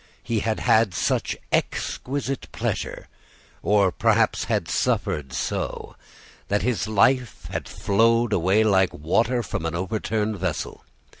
He had had such exquisite pleasure, or perhaps had suffered so, that his life had flowed away like water from an overturned vessel.